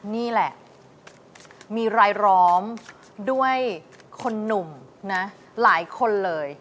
นี่แหละมีรายล้อมด้วยคนหนุ่มนะหลายคนเลย